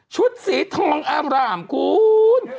สีทองอามรามคุณ